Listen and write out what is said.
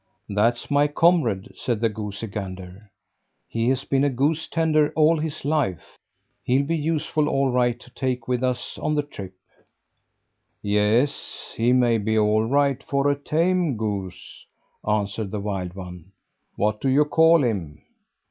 "That's my comrade," said the goosey gander. "He's been a goose tender all his life. He'll be useful all right to take with us on the trip." "Yes, he may be all right for a tame goose," answered the wild one. "What do you call him?"